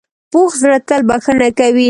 پوخ زړه تل بښنه کوي